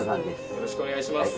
よろしくお願いします。